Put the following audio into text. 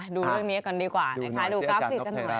ดูเรื่องนี้กันดีกว่านะคะดูกราฟิกกันหน่อย